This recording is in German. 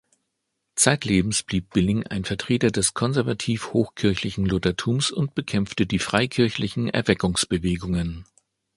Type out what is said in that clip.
Zeitlebens blieb Billing ein Vertreter des konservativ-hochkirchlichen Luthertums und bekämpfte die freikirchlichen Erweckungsbewegungen.